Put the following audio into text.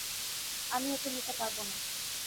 আমি ওকে নিতে পারবো না।